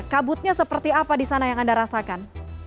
kabutnya seperti apa di sana yang anda rasakan